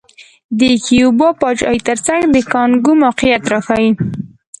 د کیوبا پاچاهۍ ترڅنګ د کانګو موقعیت راښيي.